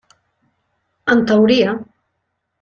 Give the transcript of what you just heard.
En teoria.